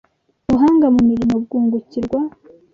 ubuhanga mu murimo bwungukirwa